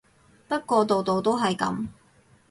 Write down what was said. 不過度度都係噉